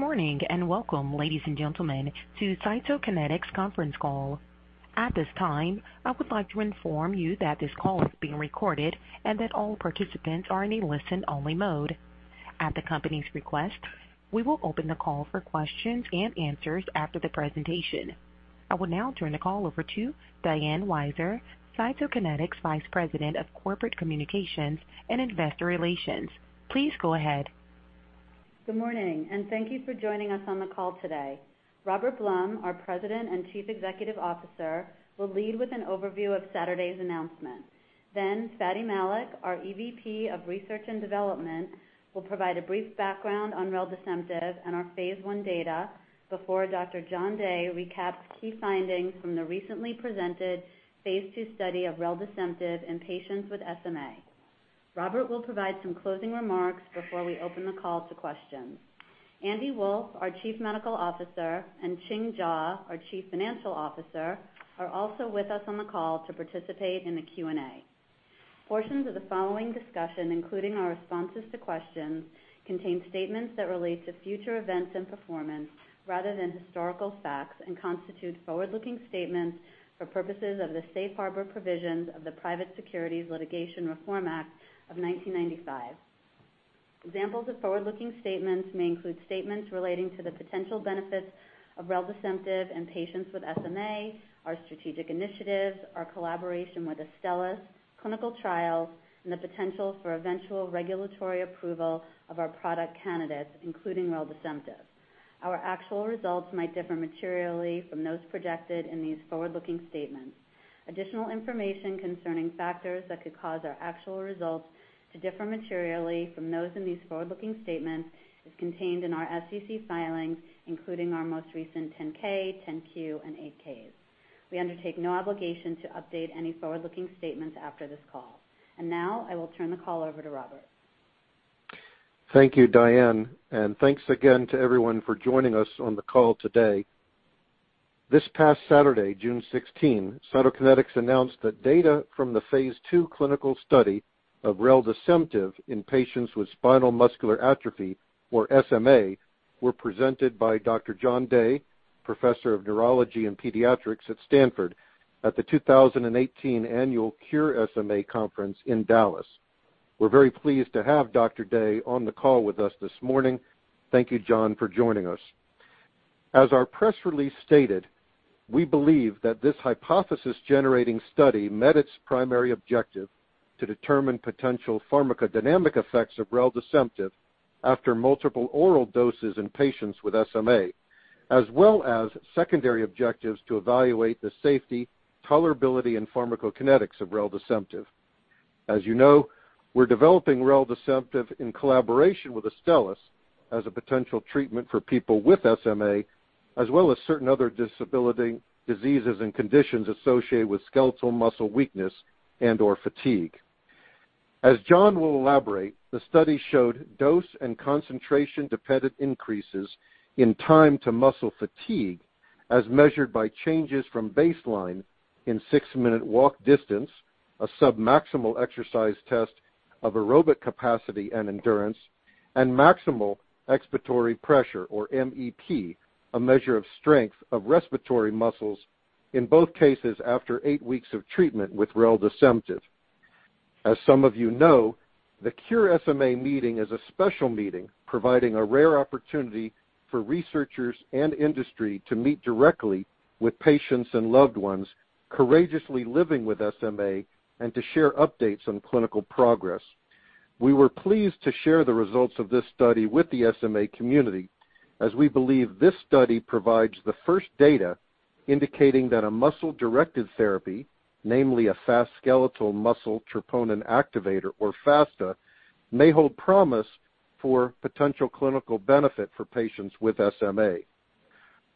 Good morning and welcome, ladies and gentlemen, to Cytokinetics conference call. At this time, I would like to inform you that this call is being recorded and that all participants are in a listen-only mode. At the company's request, we will open the call for questions and answers after the presentation. I will now turn the call over to Diane Weiser, Cytokinetics Vice President of Corporate Communications and Investor Relations. Please go ahead. Good morning. Thank you for joining us on the call today. Robert Blum, our President and Chief Executive Officer, will lead with an overview of Saturday's announcement. Fady Malik, our Executive Vice President of Research and Development, will provide a brief background on reldesemtiv and our phase I data before Dr. John Day recaps key findings from the recently presented phase II study of reldesemtiv in patients with SMA. Robert will provide some closing remarks before we open the call to questions. Andy Wolff, our Chief Medical Officer, and Ching Jaw, our Chief Financial Officer, are also with us on the call to participate in the Q&A. Portions of the following discussion, including our responses to questions, contain statements that relate to future events and performance rather than historical facts and constitute forward-looking statements for purposes of the safe harbor provisions of the Private Securities Litigation Reform Act of 1995. Examples of forward-looking statements may include statements relating to the potential benefits of reldesemtiv in patients with SMA, our strategic initiatives, our collaboration with Astellas, clinical trials, and the potential for eventual regulatory approval of our product candidates, including reldesemtiv. Our actual results might differ materially from those projected in these forward-looking statements. Additional information concerning factors that could cause our actual results to differ materially from those in these forward-looking statements is contained in our SEC filings, including our most recent 10-K, 10-Q, and 8-Ks. We undertake no obligation to update any forward-looking statements after this call. Now I will turn the call over to Robert. Thank you, Diane. Thanks again to everyone for joining us on the call today. This past Saturday, June 16, Cytokinetics announced that data from the phase II clinical study of reldesemtiv in patients with spinal muscular atrophy, or SMA, were presented by Dr. John Day, Professor of Neurology and Pediatrics at Stanford University, at the 2018 Annual SMA Conference in Dallas. We are very pleased to have Dr. Day on the call with us this morning. Thank you, John, for joining us. As our press release stated, we believe that this hypothesis-generating study met its primary objective to determine potential pharmacodynamic effects of reldesemtiv after multiple oral doses in patients with SMA, as well as secondary objectives to evaluate the safety, tolerability, and pharmacokinetics of reldesemtiv. As you know, we're developing reldesemtiv in collaboration with Astellas as a potential treatment for people with SMA, as well as certain other diseases and conditions associated with skeletal muscle weakness and/or fatigue. As John will elaborate, the study showed dose and concentration-dependent increases in time to muscle fatigue as measured by changes from baseline in six-minute walk distance, a submaximal exercise test of aerobic capacity and endurance, and maximal expiratory pressure, or MEP, a measure of strength of respiratory muscles, in both cases after eight weeks of treatment with reldesemtiv. As some of you know, the Cure SMA meeting is a special meeting providing a rare opportunity for researchers and industry to meet directly with patients and loved ones courageously living with SMA and to share updates on clinical progress. We were pleased to share the results of this study with the SMA community, as we believe this study provides the first data indicating that a muscle-directed therapy, namely a fast skeletal muscle troponin activator or FASTA, may hold promise for potential clinical benefit for patients with SMA.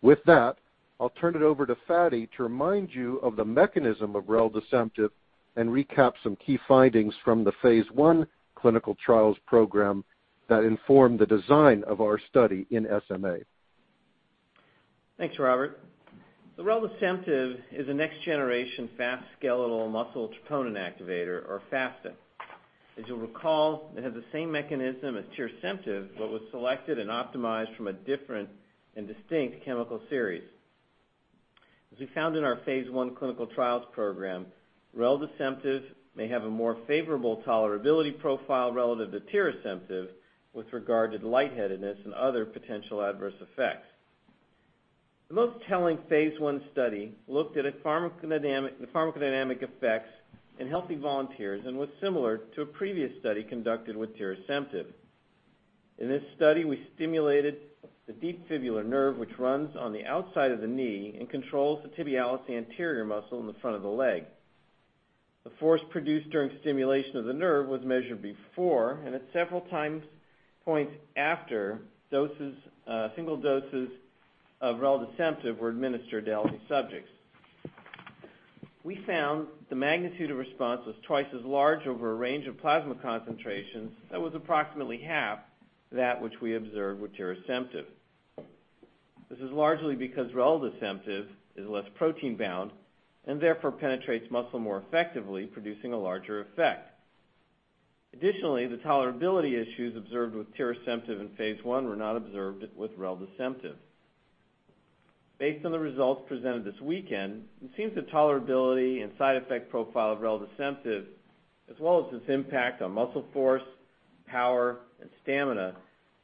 With that, I'll turn it over to Fady to remind you of the mechanism of reldesemtiv and recap some key findings from the phase I clinical trials program that informed the design of our study in SMA. Thanks, Robert. Reldesemtiv is a next-generation fast skeletal muscle troponin activator or FASTA. As you'll recall, it has the same mechanism as tirasemtiv but was selected and optimized from a different and distinct chemical series. As we found in our phase I clinical trials program, reldesemtiv may have a more favorable tolerability profile relative to tirasemtiv with regard to lightheadedness and other potential adverse effects. The most telling phase I study looked at the pharmacodynamic effects in healthy volunteers and was similar to a previous study conducted with tirasemtiv. In this study, we stimulated the deep fibular nerve, which runs on the outside of the knee and controls the tibialis anterior muscle in the front of the leg. The force produced during stimulation of the nerve was measured before and at several points after single doses of reldesemtiv were administered to healthy subjects. We found the magnitude of response was twice as large over a range of plasma concentrations that was approximately half that which we observed with tirasemtiv. This is largely because reldesemtiv is less protein-bound and therefore penetrates muscle more effectively, producing a larger effect. Additionally, the tolerability issues observed with tirasemtiv in phase I were not observed with reldesemtiv. Based on the results presented this weekend, it seems the tolerability and side effect profile of reldesemtiv, as well as its impact on muscle force, power, and stamina,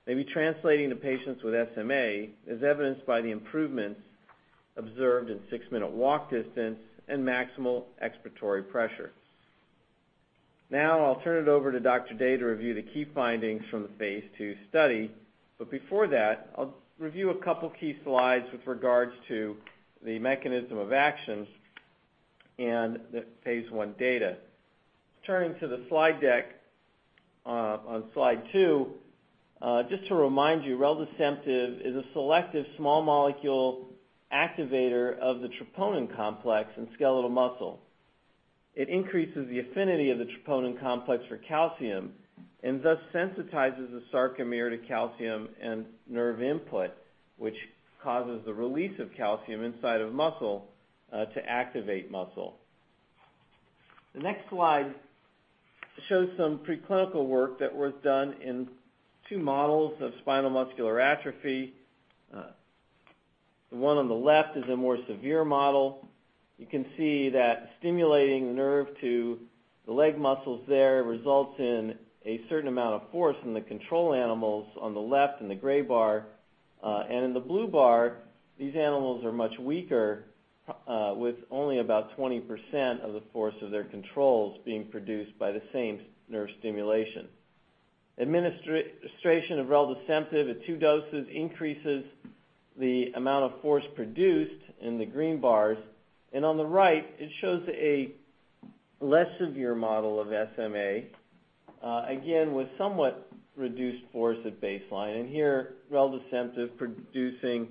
may be translating to patients with SMA, as evidenced by the improvements observed in six-minute walk distance and maximal expiratory pressure. Now, I'll turn it over to Dr. Day to review the key findings from the phase II study. Before that, I'll review a couple of key slides with regards to the mechanism of actions and the phase I data. Turning to the slide deck, on slide two, just to remind you, reldesemtiv is a selective small molecule activator of the troponin complex in skeletal muscle. It increases the affinity of the troponin complex for calcium and thus sensitizes the sarcomere to calcium and nerve input, which causes the release of calcium inside of muscle to activate muscle. The next slide shows some preclinical work that was done in two models of spinal muscular atrophy. The one on the left is a more severe model. You can see that stimulating the nerve to the leg muscles there results in a certain amount of force in the control animals on the left in the gray bar. In the blue bar, these animals are much weaker, with only about 20% of the force of their controls being produced by the same nerve stimulation. Administration of reldesemtiv at two doses increases the amount of force produced in the green bars. On the right, it shows a less severe model of SMA, again, with somewhat reduced force at baseline. Here, reldesemtiv producing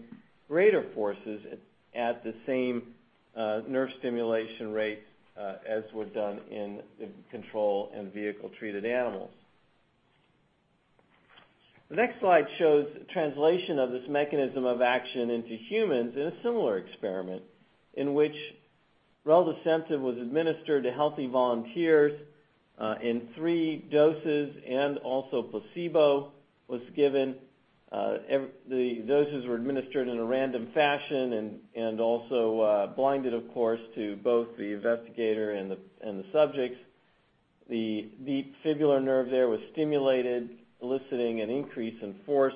greater forces at the same nerve stimulation rate as was done in the control and vehicle-treated animals. The next slide shows translation of this mechanism of action into humans in a similar experiment in which reldesemtiv was administered to healthy volunteers in three doses, and also placebo was given. The doses were administered in a random fashion and also blinded, of course, to both the investigator and the subjects. The fibular nerve there was stimulated, eliciting an increase in force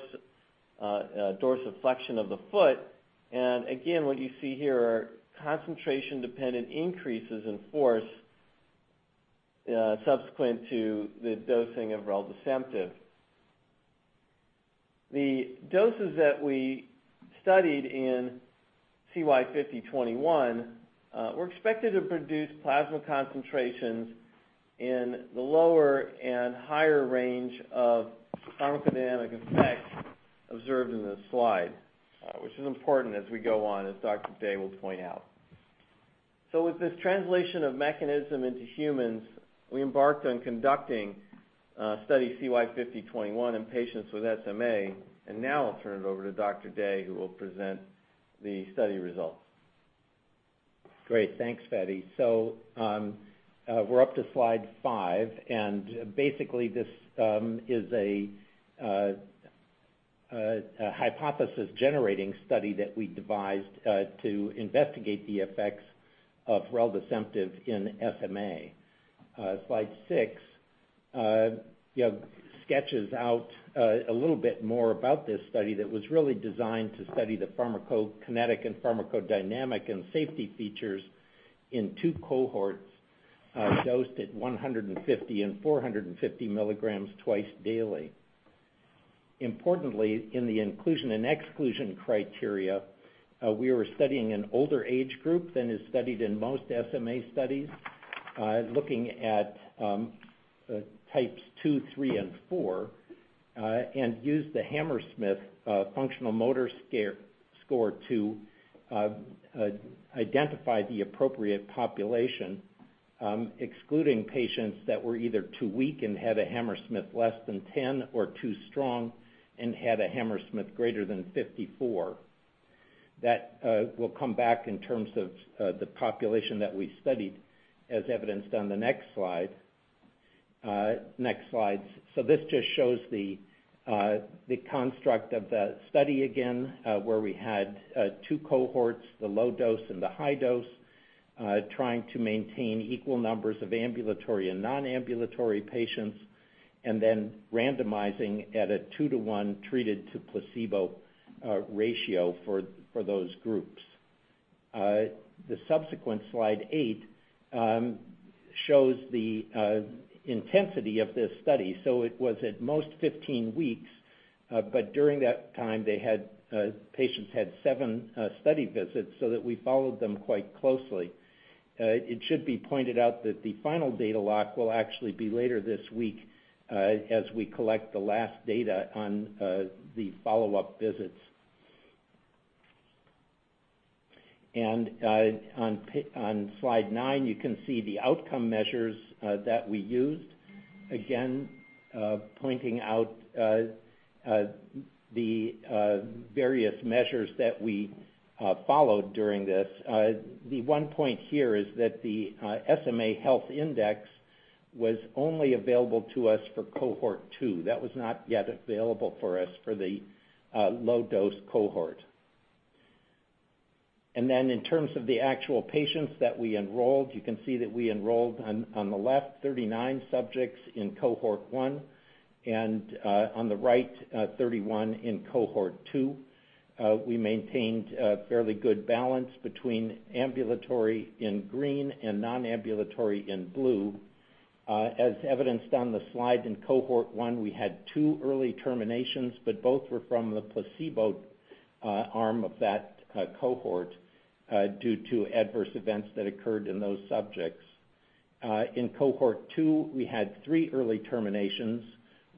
dorsiflexion of the foot. Again, what you see here are concentration-dependent increases in force subsequent to the dosing of reldesemtiv. The doses that we studied in CY5021 were expected to produce plasma concentrations in the lower and higher range of pharmacodynamic effects observed in this slide which is important as we go on, as Dr. Day will point out. With this translation of mechanism into humans, we embarked on conducting study CY5021 in patients with SMA. Now I'll turn it over to Dr. Day, who will present the study results. Great. Thanks, Fady. We're up to slide five, and basically, this is a hypothesis-generating study that we devised to investigate the effects of reldesemtiv in SMA. Slide six sketches out a little bit more about this study that was really designed to study the pharmacokinetic and pharmacodynamic and safety features in two cohorts dosed at 150 and 450 milligrams twice daily. Importantly, in the inclusion and exclusion criteria, we were studying an older age group than is studied in most SMA studies looking at types 2, 3, and 4, and used the Hammersmith functional motor score to identify the appropriate population, excluding patients that were either too weak and had a Hammersmith less than 10 or too strong and had a Hammersmith greater than 54. That will come back in terms of the population that we studied as evidenced on the next slides. This just shows the construct of the study again, where we had two cohorts, the low dose and the high dose, trying to maintain equal numbers of ambulatory and non-ambulatory patients, then randomizing at a 2-to-1 treated-to-placebo ratio for those groups. The subsequent slide eight shows the intensity of this study. It was at most 15 weeks, but during that time, the patients had seven study visits so that we followed them quite closely. It should be pointed out that the final data lock will actually be later this week as we collect the last data on the follow-up visits. On slide nine, you can see the outcome measures that we used. Again, pointing out the various measures that we followed during this. The one point here is that the SMA Health Index was only available to us for Cohort 2. That was not yet available for us for the low-dose cohort. Then in terms of the actual patients that we enrolled, you can see that we enrolled on the left, 39 subjects in Cohort 1, and on the right, 31 in Cohort 2. We maintained a fairly good balance between ambulatory in green and non-ambulatory in blue. As evidenced on the slide in Cohort 1, we had two early terminations, but both were from the placebo arm of that cohort due to Adverse Events that occurred in those subjects. In Cohort 2, we had three early terminations,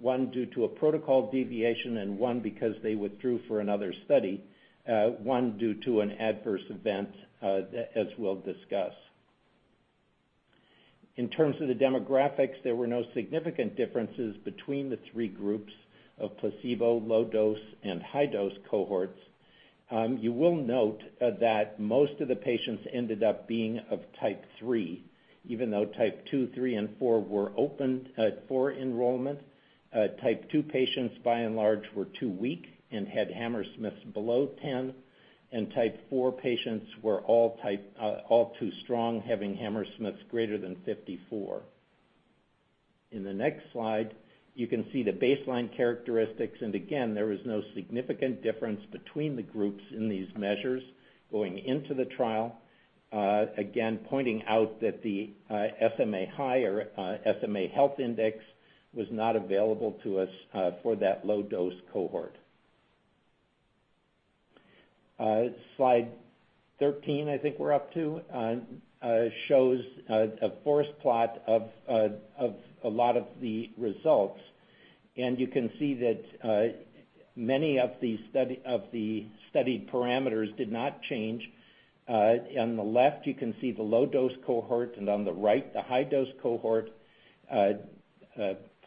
one due to a protocol deviation, and one because they withdrew for another study. One due to an Adverse Event, as we'll discuss. In terms of the demographics, there were no significant differences between the three groups of placebo, low-dose, and high-dose cohorts. You will note that most of the patients ended up being of Type 3, even though Type 2, 3, and 4 were opened for enrollment. Type 2 patients by and large were too weak and had Hammersmith below 10, and Type 4 patients were all too strong, having Hammersmiths greater than 54. In the next slide, you can see the baseline characteristics, and again, there is no significant difference between the groups in these measures going into the trial. Again, pointing out that the SMA Health Index was not available to us for that low-dose cohort. Slide 13, I think we're up to, shows a forest plot of a lot of the results. You can see that many of the studied parameters did not change. On the left, you can see the low-dose cohort, and on the right, the high-dose cohort.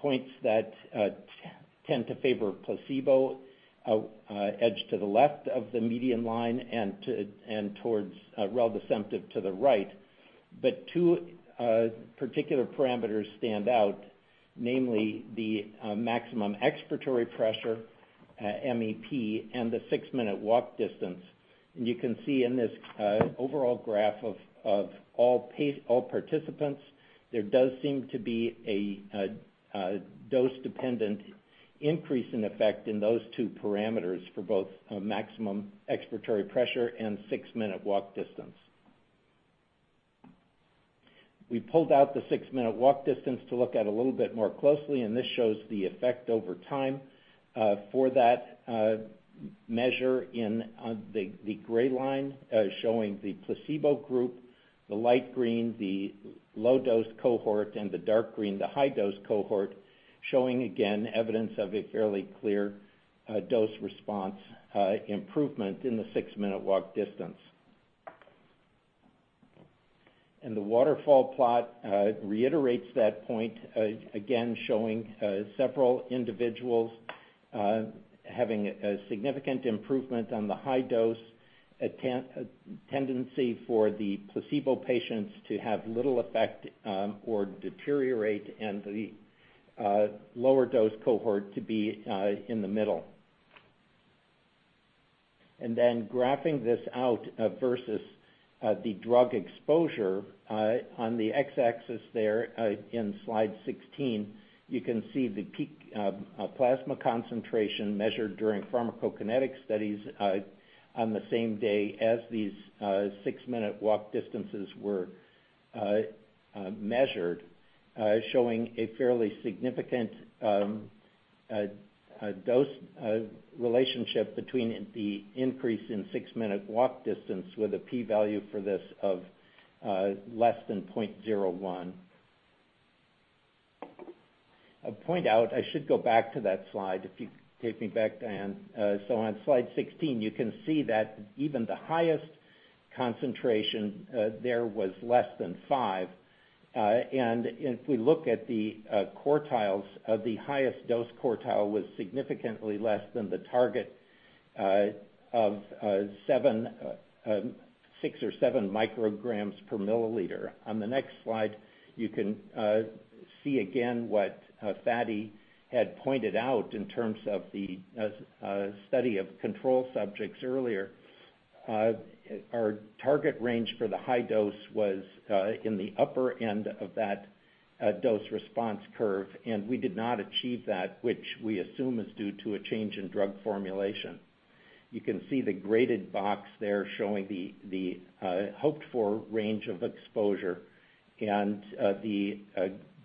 Points that tend to favor placebo edge to the left of the median line and towards reldesemtiv to the right. Two particular parameters stand out, namely the maximum expiratory pressure, MEP, and the six-minute walk distance. You can see in this overall graph of all participants, there does seem to be a dose-dependent increase in effect in those two parameters for both maximum expiratory pressure and six-minute walk distance. We pulled out the six-minute walk distance to look at a little bit more closely, and this shows the effect over time for that measure in the gray line showing the placebo group, the light green, the low-dose cohort, and the dark green, the high-dose cohort, showing again, evidence of a fairly clear dose response improvement in the six-minute walk distance. The waterfall plot reiterates that point, again showing several individuals having a significant improvement on the high dose, a tendency for the placebo patients to have little effect or deteriorate, and the lower dose cohort to be in the middle. Graphing this out versus the drug exposure on the X-axis there in Slide 16, you can see the peak of plasma concentration measured during pharmacokinetic studies on the same day as these six-minute walk distances were measured, showing a fairly significant dose relationship between the increase in six-minute walk distance with a P value for this of less than 0.01. I should go back to that slide. If you could take me back, Diane. On Slide 16, you can see that even the highest concentration there was less than five. If we look at the quartiles of the highest dose quartile was significantly less than the target of six or seven micrograms per milliliter. On the next slide, you can see again what Fady had pointed out in terms of the study of control subjects earlier. Our target range for the high dose was in the upper end of that dose response curve, and we did not achieve that, which we assume is due to a change in drug formulation. You can see the graded box there showing the hoped-for range of exposure and the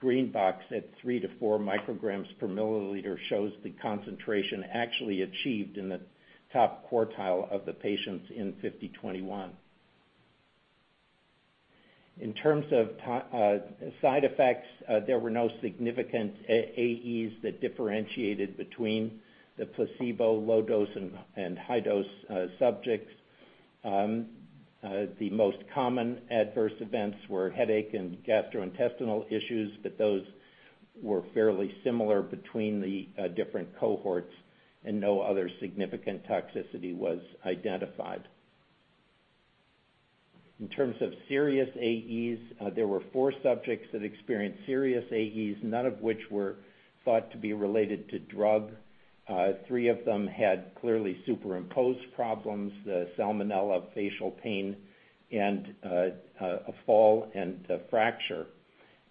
green box at three to four micrograms per milliliter shows the concentration actually achieved in the top quartile of the patients in 5021. In terms of side effects, there were no significant AEs that differentiated between the placebo, low dose, and high dose subjects. The most common Adverse Events were headache and gastrointestinal issues, those were fairly similar between the different cohorts, no other significant toxicity was identified. In terms of serious AEs, there were four subjects that experienced serious AEs, none of which were thought to be related to drug. Three of them had clearly superimposed problems, the salmonella, facial pain, and a fall and a fracture.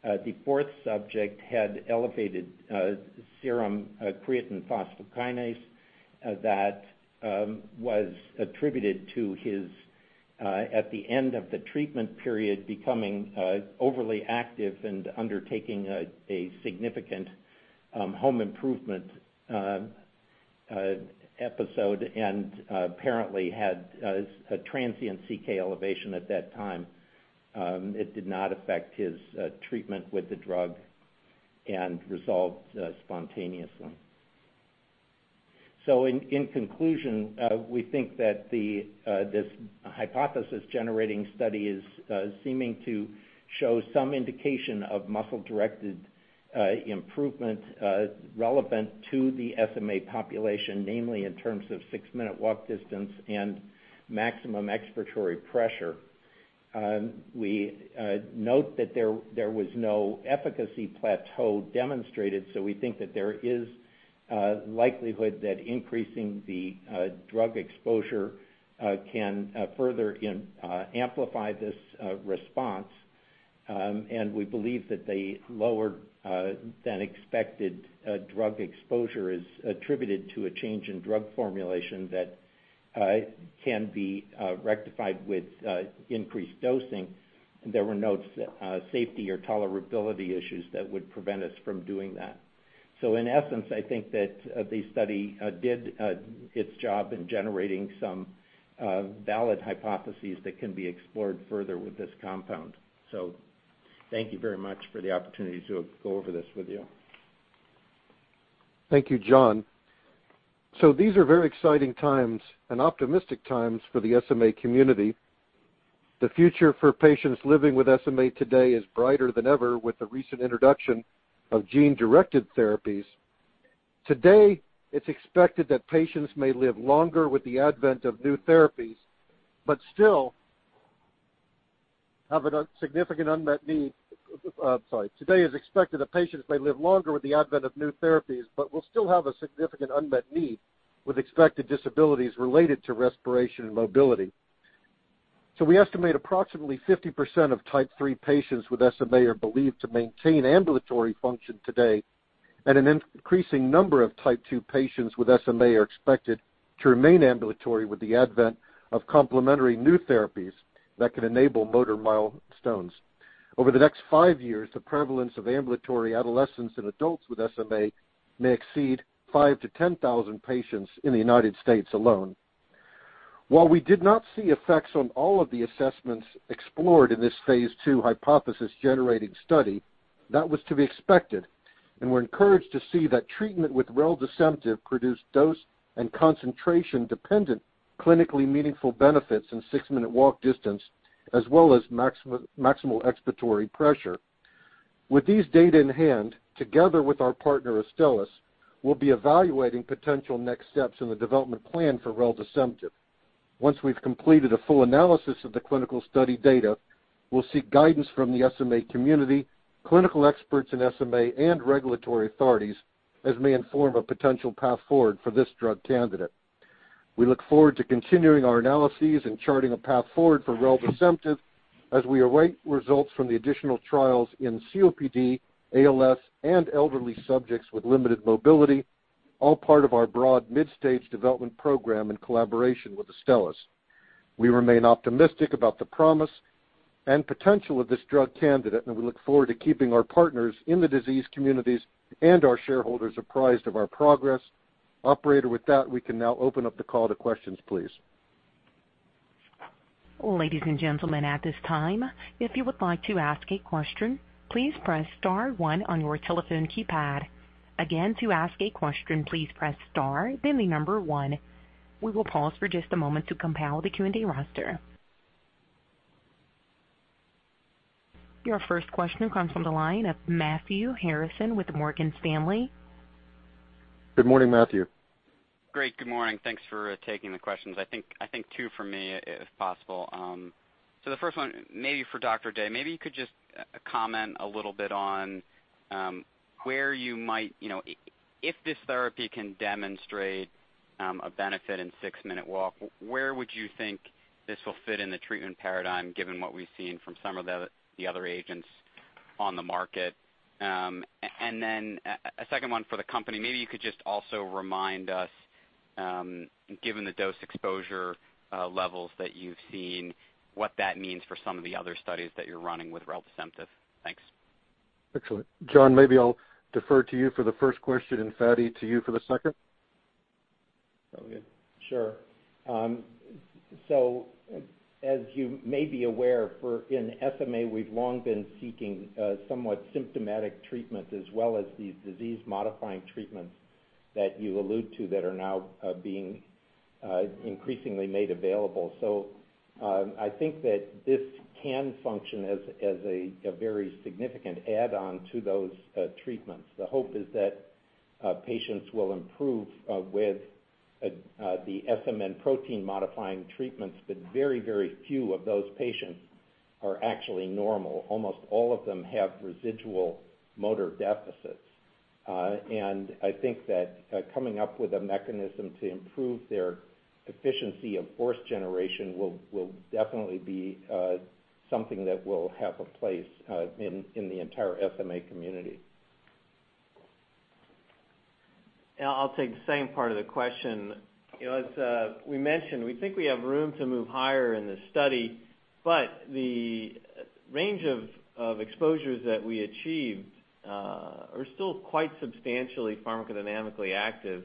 The fourth subject had elevated serum creatine phosphokinase that was attributed to his, at the end of the treatment period, becoming overly active and undertaking a significant home improvement episode, and apparently had a transient CK elevation at that time. It did not affect his treatment with the drug and resolved spontaneously. In conclusion, we think that this hypothesis-generating study is seeming to show some indication of muscle-directed improvement relevant to the SMA population, namely in terms of six-minute walk distance and maximum expiratory pressure. We note that there was no efficacy plateau demonstrated, we think that there is a likelihood that increasing the drug exposure can further amplify this response. We believe that the lower than expected drug exposure is attributed to a change in drug formulation that can be rectified with increased dosing. There were no safety or tolerability issues that would prevent us from doing that. In essence, I think that the study did its job in generating some valid hypotheses that can be explored further with this compound. Thank you very much for the opportunity to go over this with you. Thank you, John. These are very exciting times and optimistic times for the SMA community. The future for patients living with SMA today is brighter than ever with the recent introduction of gene-directed therapies. Today, it's expected that patients may live longer with the advent of new therapies, but still have a significant unmet need. Sorry. Today, it's expected that patients may live longer with the advent of new therapies, but we'll still have a significant unmet need with expected disabilities related to respiration and mobility. We estimate approximately 50% of Type 3 patients with SMA are believed to maintain ambulatory function today, and an increasing number of Type 2 patients with SMA are expected to remain ambulatory with the advent of complementary new therapies that can enable motor milestones. Over the next five years, the prevalence of ambulatory adolescents and adults with SMA may exceed 5,000-10,000 patients in the United States alone. While we did not see effects on all of the assessments explored in this phase II hypothesis-generating study, that was to be expected, and we're encouraged to see that treatment with reldesemtiv produced dose and concentration-dependent clinically meaningful benefits in six-minute walk distance, as well as maximal expiratory pressure. With these data in hand, together with our partner Astellas, we'll be evaluating potential next steps in the development plan for reldesemtiv. Once we've completed a full analysis of the clinical study data, we'll seek guidance from the SMA community, clinical experts in SMA, and regulatory authorities as may inform a potential path forward for this drug candidate. We look forward to continuing our analyses and charting a path forward for reldesemtiv as we await results from the additional trials in COPD, ALS, and elderly subjects with limited mobility, all part of our broad mid-stage development program in collaboration with Astellas. We remain optimistic about the promise and potential of this drug candidate, and we look forward to keeping our partners in the disease communities and our shareholders apprised of our progress. Operator, with that, we can now open up the call to questions, please. Ladies and gentlemen, at this time, if you would like to ask a question, please press star one on your telephone keypad. Again, to ask a question, please press star, then the number one. We will pause for just a moment to compile the Q&A roster. Your first question comes from the line of Matthew Harrison with Morgan Stanley. Good morning, Matthew. Great. Good morning. Thanks for taking the questions. I think two for me, if possible. The first one, maybe for Dr. Day. Maybe you could just comment a little bit on where you might-- If this therapy can demonstrate a benefit in six-minute walk, where would you think this will fit in the treatment paradigm given what we've seen from some of the other agents on the market? A second one for the company. Maybe you could just also remind us, given the dose exposure levels that you've seen, what that means for some of the other studies that you're running with reldesemtiv. Thanks. Excellent. John, maybe I'll defer to you for the first question, and Fady, to you for the second. Sounds good. Sure. As you may be aware, in SMA, we've long been seeking somewhat symptomatic treatments as well as these disease-modifying treatments. That you allude to that are now being increasingly made available. I think that this can function as a very significant add-on to those treatments. The hope is that patients will improve with the SMN protein modifying treatments, very, very few of those patients are actually normal. Almost all of them have residual motor deficits. I think that coming up with a mechanism to improve their efficiency of force generation will definitely be something that will have a place in the entire SMA community. I'll take the same part of the question. As we mentioned, we think we have room to move higher in this study, the range of exposures that we achieved are still quite substantially pharmacodynamically active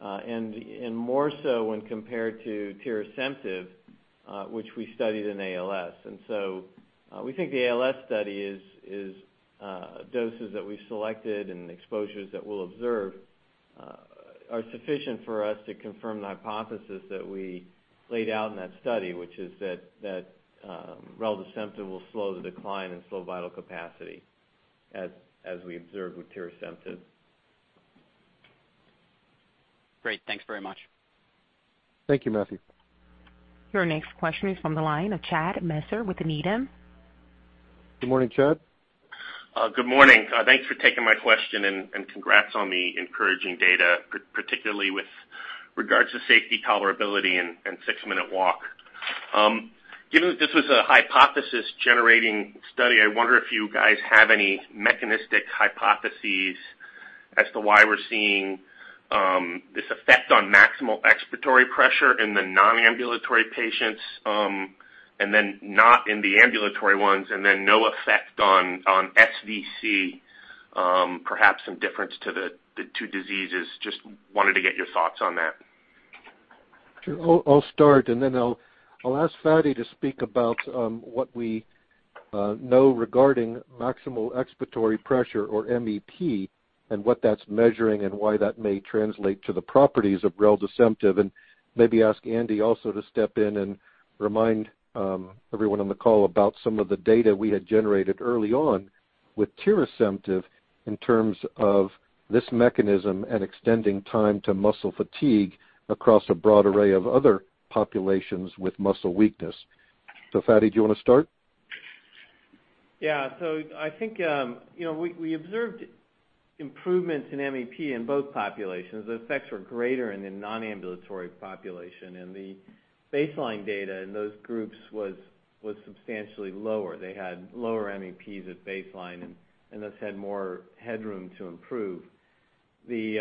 and more so when compared to tirasemtiv, which we studied in ALS. We think the ALS study is doses that we've selected and exposures that we'll observe are sufficient for us to confirm the hypothesis that we laid out in that study, which is that reldesemtiv will slow the decline in slow vital capacity as we observed with tirasemtiv. Great. Thanks very much. Thank you, Matthew. Your next question is from the line of Chad Messer with Needham. Good morning, Chad. Good morning. Thanks for taking my question, congrats on the encouraging data, particularly with regards to safety tolerability and six-minute walk. Given that this was a hypothesis-generating study, I wonder if you guys have any mechanistic hypotheses as to why we're seeing this effect on maximal expiratory pressure in the non-ambulatory patients, not in the ambulatory ones, no effect on SVC, perhaps some difference to the two diseases. Just wanted to get your thoughts on that. Sure. I'll start, I'll ask Fady to speak about what we know regarding maximal expiratory pressure or MEP, what that's measuring, why that may translate to the properties of reldesemtiv, maybe ask Andy also to step in and remind everyone on the call about some of the data we had generated early on with tirasemtiv in terms of this mechanism and extending time to muscle fatigue across a broad array of other populations with muscle weakness. Fady, do you want to start? I think we observed improvements in MEP in both populations. The effects were greater in the non-ambulatory population, and the baseline data in those groups was substantially lower. They had lower MEPs at baseline and thus had more headroom to improve. The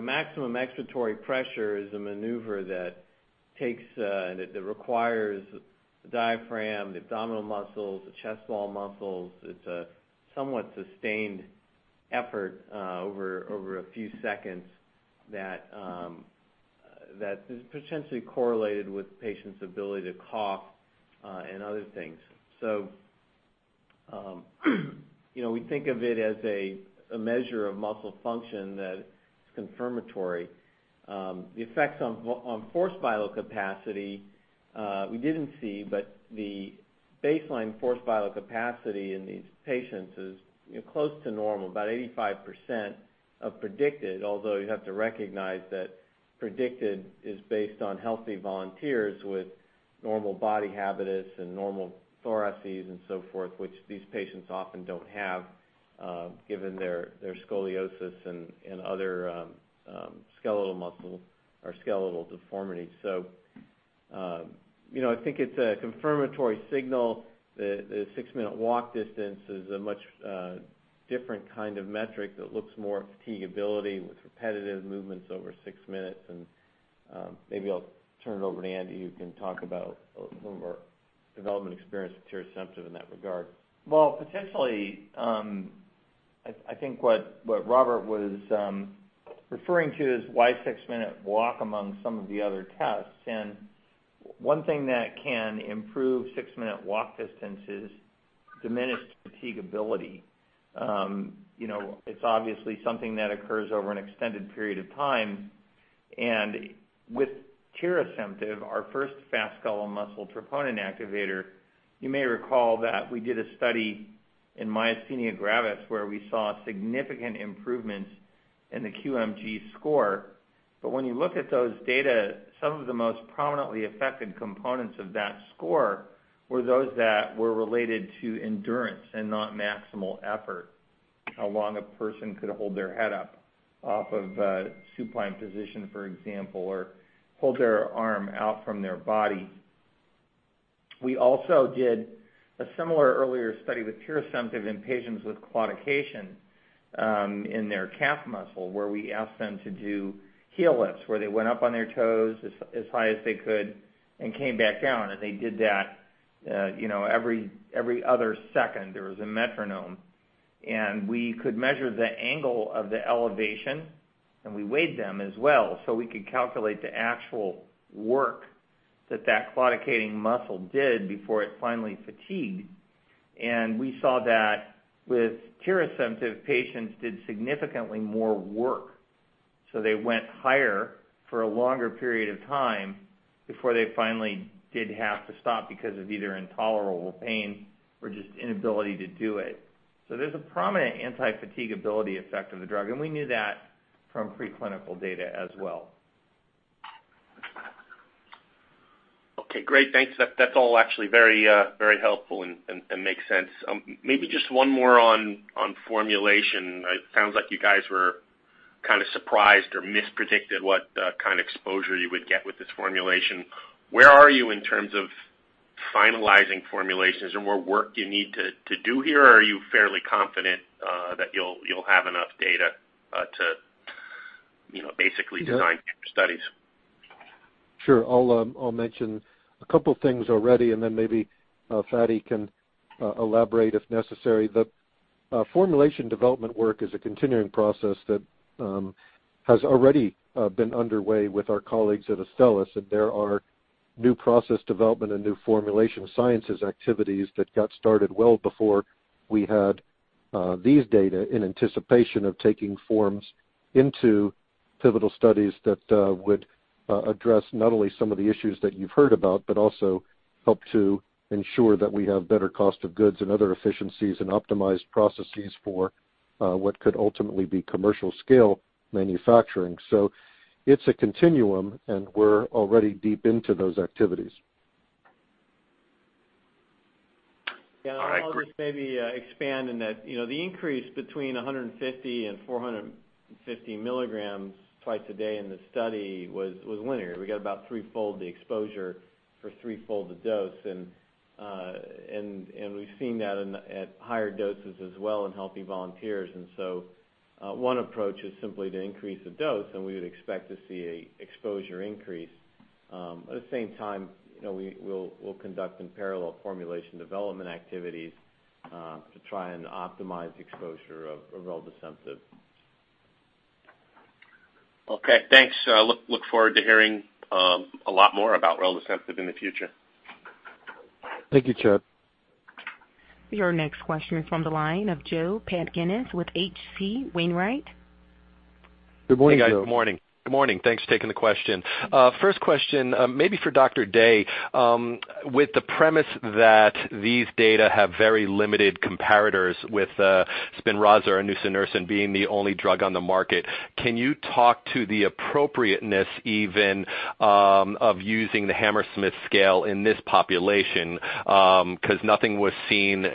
maximum expiratory pressure is a maneuver that requires the diaphragm, the abdominal muscles, the chest wall muscles. It's a somewhat sustained effort over a few seconds that is potentially correlated with patient's ability to cough and other things. We think of it as a measure of muscle function that is confirmatory. The effects on forced vital capacity we didn't see, the baseline forced vital capacity in these patients is close to normal, about 85% of predicted, although you have to recognize that predicted is based on healthy volunteers with normal body habitus and normal thoraces and so forth, which these patients often don't have given their scoliosis and other skeletal muscle or skeletal deformities. I think it's a confirmatory signal. The six-minute walk distance is a much different kind of metric that looks more at fatigability with repetitive movements over six minutes. Maybe I'll turn it over to Andy, who can talk about some of our development experience with tirasemtiv in that regard. Potentially, I think what Robert was referring to is why six-minute walk among some of the other tests. One thing that can improve six-minute walk distance is diminished fatigability. It's obviously something that occurs over an extended period of time. With tirasemtiv, our first fast skeletal muscle troponin activator, you may recall that we did a study in myasthenia gravis where we saw significant improvements in the QMG score. When you look at those data, some of the most prominently affected components of that score were those that were related to endurance and not maximal effort. How long a person could hold their head up off of a supine position, for example, or hold their arm out from their body. We also did a similar earlier study with tirasemtiv in patients with claudication in their calf muscle, where we asked them to do heel lifts, where they went up on their toes as high as they could and came back down. They did that every other second. There was a metronome. We could measure the angle of the elevation, and we weighed them as well, so we could calculate the actual work that that claudicating muscle did before it finally fatigued. We saw that with tirasemtiv, patients did significantly more work. They went higher for a longer period of time before they finally did have to stop because of either intolerable pain or just inability to do it. There's a prominent anti-fatigability effect of the drug, and we knew that from preclinical data as well. Okay, great. Thanks. That's all actually very helpful and makes sense. Maybe just one more on formulation. It sounds like you guys were kind of surprised or mispredicted what kind of exposure you would get with this formulation. Where are you in terms of finalizing formulations? Is there more work you need to do here, or are you fairly confident that you'll have enough data to basically design future studies? Sure. I'll mention a couple things already, and then maybe Fady can elaborate if necessary. The formulation development work is a continuing process that has already been underway with our colleagues at Astellas. There are new process development and new formulation sciences activities that got started well before we had these data in anticipation of taking forms into pivotal studies that would address not only some of the issues that you've heard about, but also help to ensure that we have better cost of goods and other efficiencies and optimized processes for what could ultimately be commercial scale manufacturing. It's a continuum, and we're already deep into those activities. All right, great. Yeah. I'll just maybe expand in that. The increase between 150 and 450 milligrams twice a day in the study was linear. We got about threefold the exposure for threefold the dose. We've seen that at higher doses as well in healthy volunteers. One approach is simply to increase the dose, and we would expect to see an exposure increase. At the same time, we'll conduct in parallel formulation development activities, to try and optimize exposure of reldesemtiv. Okay, thanks. Look forward to hearing a lot more about reldesemtiv in the future. Thank you, Chad. Your next question is from the line of Joe Padgett with H.C. Wainwright. Good morning, Joe. Hey, guys. Good morning. Good morning. Thanks for taking the question. First question, maybe for Dr. Day. With the premise that these data have very limited comparators with SPINRAZA or nusinersen being the only drug on the market, can you talk to the appropriateness even of using the Hammersmith scale in this population? Because nothing was seen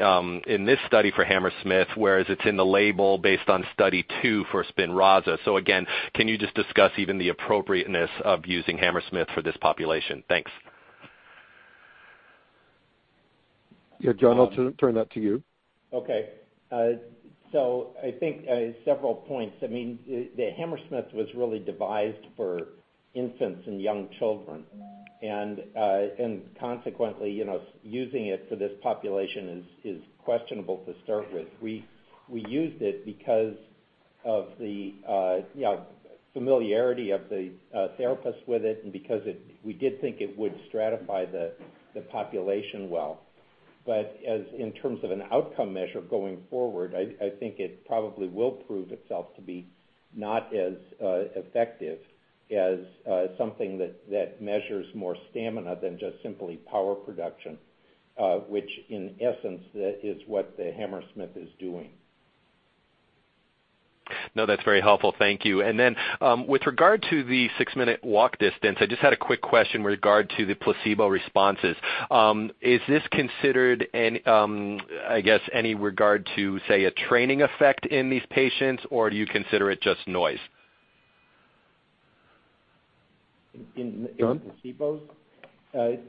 in this study for Hammersmith, whereas it's in the label based on Study 2 for SPINRAZA. Again, can you just discuss even the appropriateness of using Hammersmith for this population? Thanks. Yeah, John, I'll turn that to you. Okay. I think several points. I mean, the Hammersmith was really devised for infants and young children. Consequently, using it for this population is questionable to start with. We used it because of the familiarity of the therapists with it, and because we did think it would stratify the population well. In terms of an outcome measure going forward, I think it probably will prove itself to be not as effective as something that measures more stamina than just simply power production. Which in essence, is what the Hammersmith is doing. That's very helpful. Thank you. With regard to the six-minute walk distance, I just had a quick question with regard to the placebo responses. Is this considered in, I guess, any regard to, say, a training effect in these patients, or do you consider it just noise? John? In placebos? There's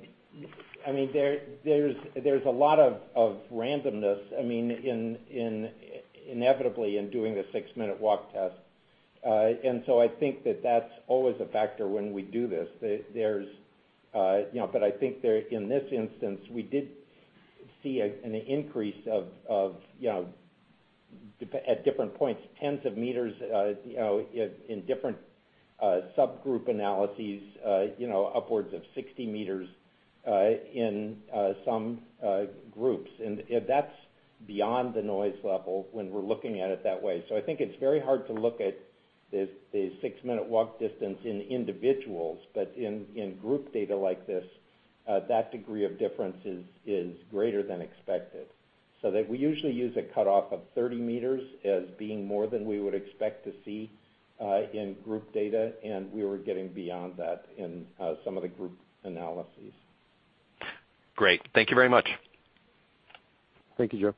a lot of randomness inevitably in doing the six-minute walk test. I think that that's always a factor when we do this. I think in this instance, we did see an increase of, at different points, tens of meters in different subgroup analyses, upwards of 60 meters in some groups. That's beyond the noise level when we're looking at it that way. I think it's very hard to look at the six-minute walk distance in individuals. In group data like this, that degree of difference is greater than expected. We usually use a cutoff of 30 meters as being more than we would expect to see in group data, and we were getting beyond that in some of the group analyses. Great. Thank you very much. Thank you, Joe.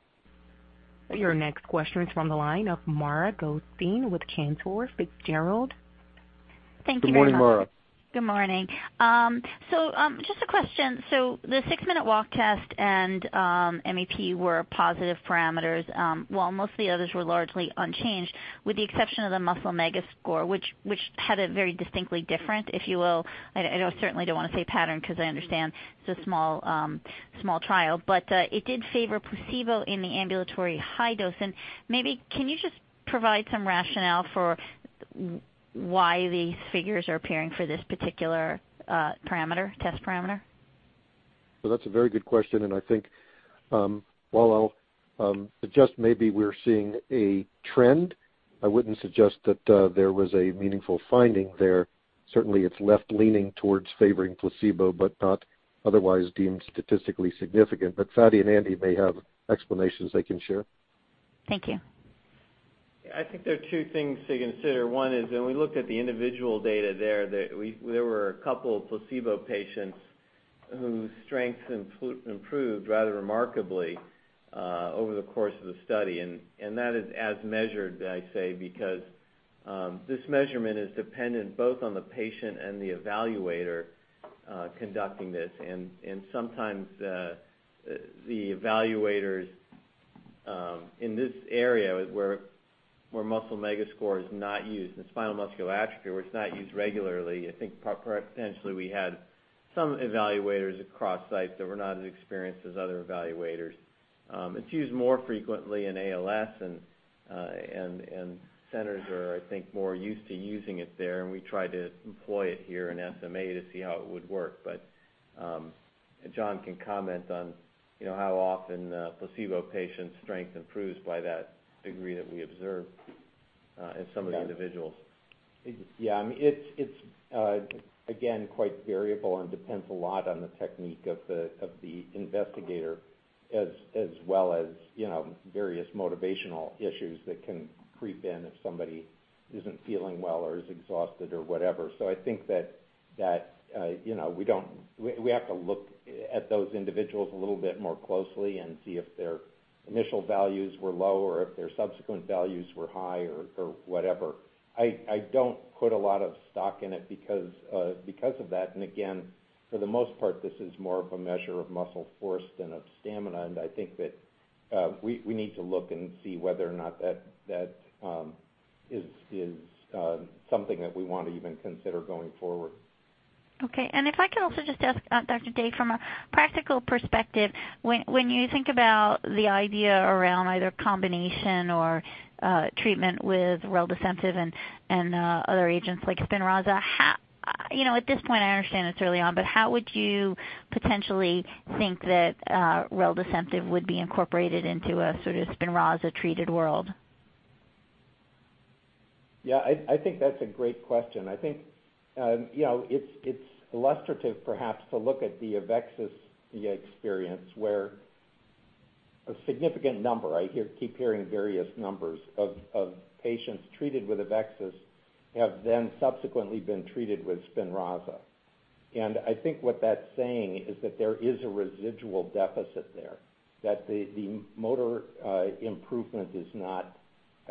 Your next question is from the line of Mara Goldstein with Cantor Fitzgerald. Good morning, Maura. Good morning. Just a question. The six-minute walk test and MEP were positive parameters, while mostly others were largely unchanged, with the exception of the muscle mega score, which had a very distinctly different, if you will, I certainly don't want to say pattern, because I understand it's a small trial. It did favor placebo in the ambulatory high dose. Maybe can you just provide some rationale for why the figures are appearing for this particular test parameter? Well, that's a very good question, and I think while I'll suggest maybe we're seeing a trend, I wouldn't suggest that there was a meaningful finding there. Certainly, it's left leaning towards favoring placebo, but not otherwise deemed statistically significant. Fady and Andy may have explanations they can share. Thank you. Yeah, I think there are two things to consider. One is when we looked at the individual data there were a couple placebo patients whose strength improved rather remarkably over the course of the study. That is as measured, I say, because this measurement is dependent both on the patient and the evaluator conducting this. Sometimes, the evaluators in this area where muscle mega score is not used in spinal muscular atrophy, or it's not used regularly. I think potentially we had some evaluators across sites that were not as experienced as other evaluators. It's used more frequently in ALS, and centers are, I think, more used to using it there, and we try to employ it here in SMA to see how it would work. John can comment on how often placebo patients strength improves by that degree that we observed in some of the individuals. Yeah, it's again, quite variable and depends a lot on the technique of the investigator as well as various motivational issues that can creep in if somebody isn't feeling well or is exhausted or whatever. I think that we have to look at those individuals a little bit more closely and see if their initial values were low or if their subsequent values were high or whatever. I don't put a lot of stock in it because of that. Again, for the most part, this is more of a measure of muscle force than of stamina. I think that we need to look and see whether or not that is something that we want to even consider going forward. Okay. If I could also just ask Dr. Day, from a practical perspective, when you think about the idea around either combination or treatment with reldesemtiv and other agents like SPINRAZA, at this point, I understand it's early on, but how would you potentially think that reldesemtiv would be incorporated into a sort of SPINRAZA treated world? Yeah, I think that's a great question. I think it's illustrative perhaps to look at the AveXis experience, where a significant number, I keep hearing various numbers of patients treated with AveXis have then subsequently been treated with SPINRAZA. I think what that's saying is that there is a residual deficit there. That the motor improvement is not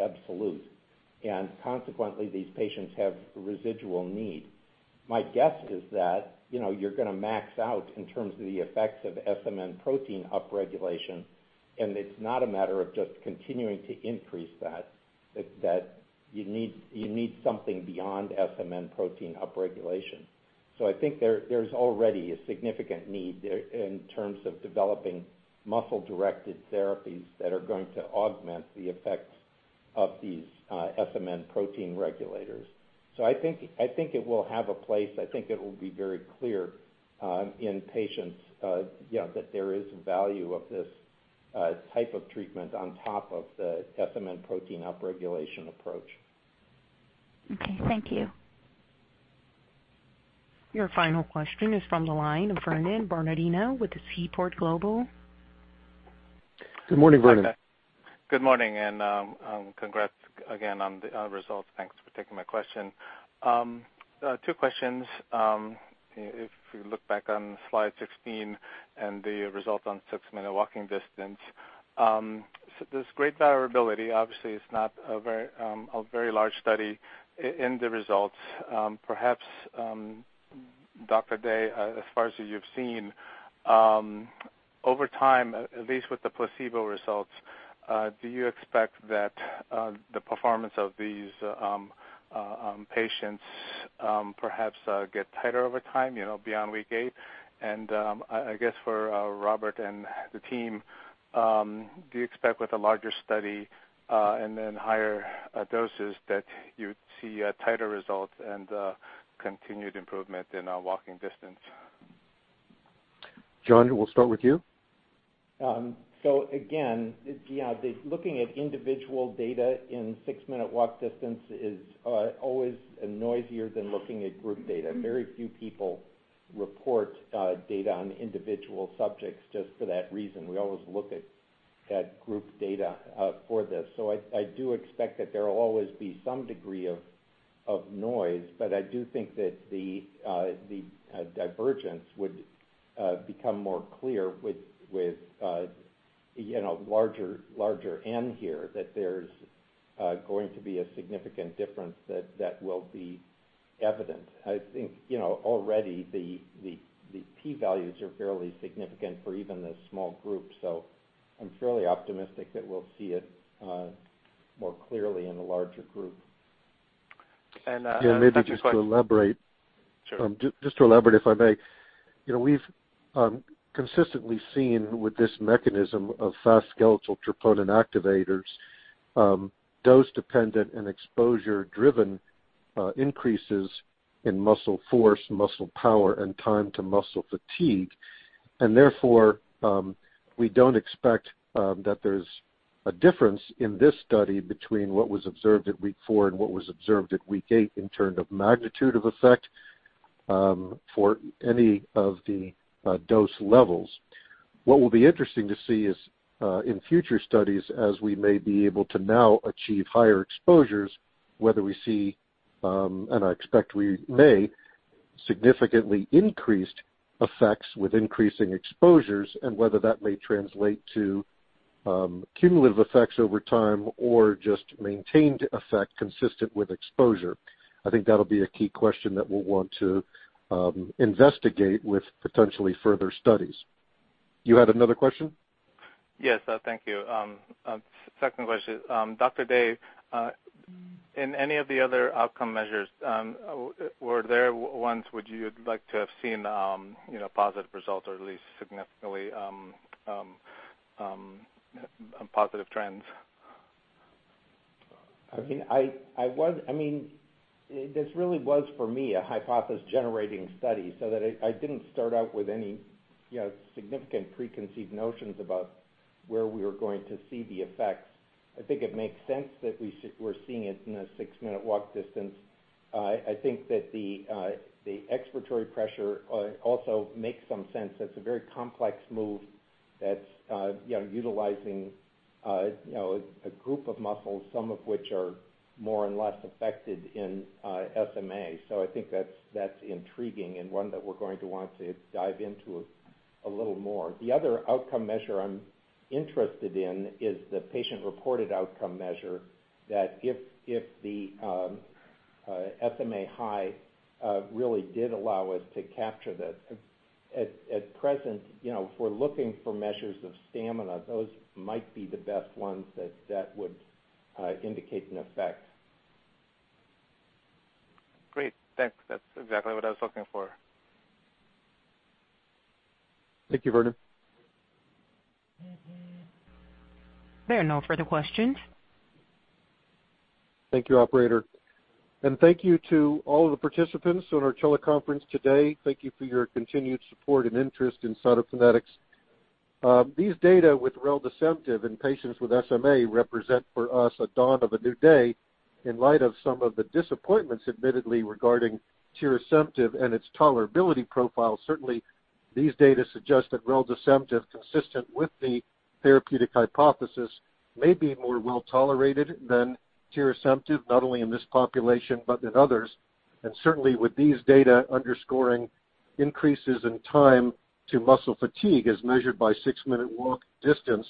absolute, and consequently, these patients have residual need. My guess is that you're going to max out in terms of the effects of SMN protein upregulation, and it's not a matter of just continuing to increase that you need something beyond SMN protein upregulation. I think there's already a significant need there in terms of developing muscle-directed therapies that are going to augment the effects of these SMN protein regulators. I think it will have a place. I think it will be very clear in patients that there is value of this type of treatment on top of the SMN protein upregulation approach. Okay. Thank you. Your final question is from the line of Vernon Bernardino with Seaport Global. Good morning, Vernon. Hi there. Good morning, and congrats again on the results. Thanks for taking my question. Two questions. If you look back on slide 16 and the results on six-minute walk distance. There's great variability, obviously it's not a very large study in the results. Perhaps, Dr. Day, as far as you've seen, over time, at least with the placebo results, do you expect that the performance of these patients perhaps get tighter over time beyond week eight? I guess for Robert and the team, do you expect with a larger study and then higher doses that you'd see tighter results and continued improvement in walking distance? John, we'll start with you. Again, looking at individual data in six-minute walk distance is always noisier than looking at group data. Very few people report data on individual subjects just for that reason. We always look at group data for this. I do expect that there will always be some degree of noise, but I do think that the divergence would become more clear with larger N here, that there's going to be a significant difference that will be evident. I think already the p-values are fairly significant for even this small group, so I'm fairly optimistic that we'll see it more clearly in the larger group. And- Just to elaborate, if I may. We've consistently seen with this mechanism of fast skeletal troponin activators, dose-dependent and exposure-driven increases in muscle force, muscle power, and time to muscle fatigue. Therefore, we don't expect that there's a difference in this study between what was observed at week four and what was observed at week eight in term of magnitude of effect for any of the dose levels. What will be interesting to see is in future studies, as we may be able to now achieve higher exposures, whether we see, and I expect we may, significantly increased effects with increasing exposures and whether that may translate to cumulative effects over time or just maintained effect consistent with exposure. I think that'll be a key question that we'll want to investigate with potentially further studies. You had another question? Yes. Thank you. Second question. Dr. Day, in any of the other outcome measures, were there ones would you have liked to have seen positive results or at least significantly positive trends? This really was, for me, a hypothesis-generating study, so that I didn't start out with any significant preconceived notions about where we were going to see the effects. I think it makes sense that we're seeing it in a six-minute walk distance. I think that the expiratory pressure also makes some sense. That's a very complex move that's utilizing a group of muscles, some of which are more and less affected in SMA. I think that's intriguing and one that we're going to want to dive into a little more. The other outcome measure I'm interested in is the patient-reported outcome measure that if the SMA-HI really did allow us to capture this. At present, if we're looking for measures of stamina, those might be the best ones that would indicate an effect. Great. Thanks. That's exactly what I was looking for. Thank you, Vernon. There are no further questions. Thank you, operator. Thank you to all of the participants on our teleconference today. Thank you for your continued support and interest in Cytokinetics. These data with reldesemtiv in patients with SMA represent for us a dawn of a new day in light of some of the disappointments, admittedly, regarding tirasemtiv and its tolerability profile. Certainly, these data suggest that reldesemtiv, consistent with the therapeutic hypothesis, may be more well-tolerated than tirasemtiv, not only in this population, but in others. Certainly, with these data underscoring increases in time to muscle fatigue as measured by six-minute walk distance,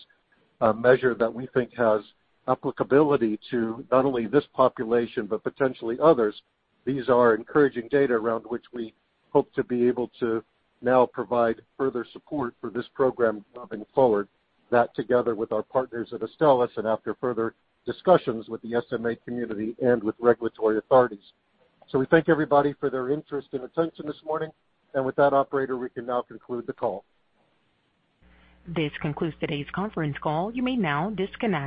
a measure that we think has applicability to not only this population, but potentially others. These are encouraging data around which we hope to be able to now provide further support for this program moving forward. That together with our partners at Astellas and after further discussions with the SMA community and with regulatory authorities. We thank everybody for their interest and attention this morning. With that operator, we can now conclude the call. This concludes today's conference call. You may now disconnect.